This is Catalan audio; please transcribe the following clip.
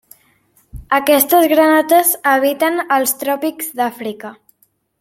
Aquestes granotes habiten als tròpics d'Àfrica.